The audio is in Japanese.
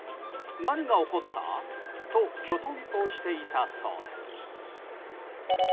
何が起こった？ときょとんとしていたそうです。